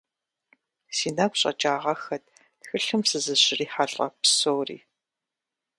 Си нэгу щӀэкӀагъэххэт тхылъым сызыщрихьэлӀэ псори.